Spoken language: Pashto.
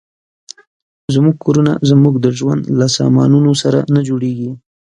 زموږ کورونه زموږ د ژوند له سامانونو سره نه جوړېږي.